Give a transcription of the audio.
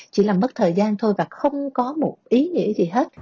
chỉ là mất thời gian thôi và không có một ý nghĩa gì hết